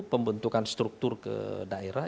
pembentukan struktur ke daerah